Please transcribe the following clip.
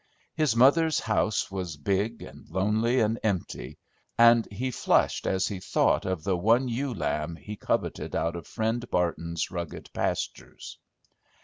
His mother's house was big, and lonely, and empty; and he flushed as he thought of the "one ewe lamb" he coveted out of Friend Barton's rugged pastures.